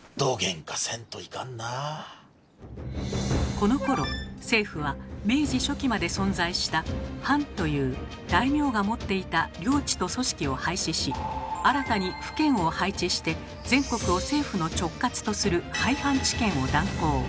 このころ政府は明治初期まで存在した「藩」という大名が持っていた領地と組織を廃止し新たに「府県」を配置して全国を政府の直轄とする「廃藩置県」を断行。